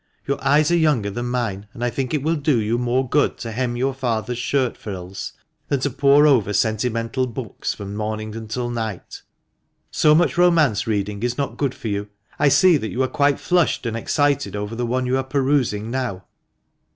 Your eyes are younger than mine, and I think it will do you 372 THE MANCHESTER MAN. more good to hem your father's shirt frills than to pore over sentimental books from morning until night. So much romance reading is not good for you. I see that you are quite flushed and excited over the one you are perusing now."